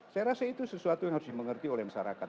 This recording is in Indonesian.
saya rasa itu sesuatu yang harus dimengerti oleh masyarakat